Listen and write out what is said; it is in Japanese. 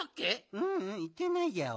ううんいってないギャオ。